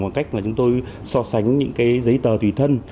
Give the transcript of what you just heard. hoặc cách chúng tôi so sánh những cái giấy tờ tùy thân